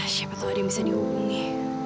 siapa tahu dia bisa dihubungi